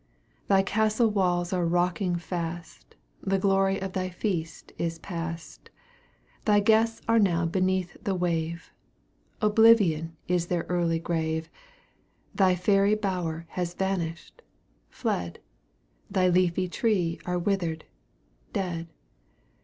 Thy castle walls are rocking fast, The glory of thy feast is past; Thy guests are now beneath the wave, Oblivion is their early grave, Thy fairy bower has vanished fled: Thy leafy tree are withered dead!